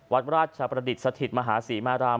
วัดราชประดิษฐ์สถิตมหาศรีมาราม